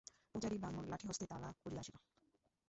পূজারি ব্রাহ্মণ লাঠি হস্তে তাড়া করিয়া আসিল।